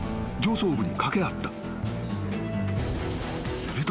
［すると］